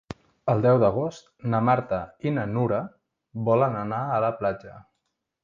El deu d'agost na Marta i na Nura volen anar a la platja.